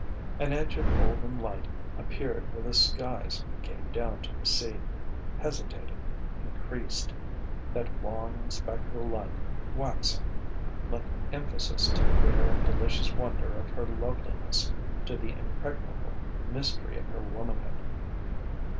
An edge of golden light appeared where the skies came down to the sea; hesitated; increased. That wan and spectral light, waxing, lent emphasis to the rare and delicious wonder of her loveliness, to the impregnable mystery of her womanhood.